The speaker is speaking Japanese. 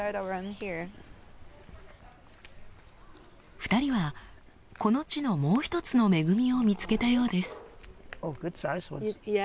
２人はこの地のもう一つの恵みを見つけたようです。